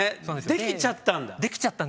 できちゃったんだ。